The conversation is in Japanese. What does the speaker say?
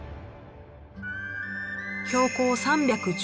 標高３１５ｍ。